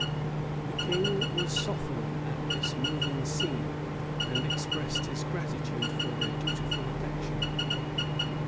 The king was softened at this moving scene, and expressed his gratitude for their dutiful affection.